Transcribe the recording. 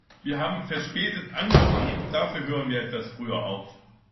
Wir haben verspätet angefangen, dafür hören wir etwas früher auf.